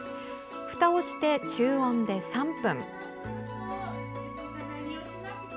ふたをして、中温で３分。